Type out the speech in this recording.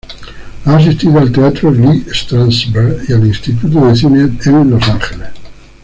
Ha asistido al Teatro Lee Strasberg y al Instituto de Cine en Los Ángeles.